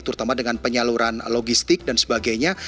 terutama dengan penyaluran logistik dan sebagainya